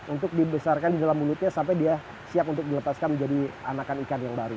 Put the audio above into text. untuk dibesarkan di dalam mulutnya sampai dia siap untuk dilepaskan menjadi anakan ikan yang baru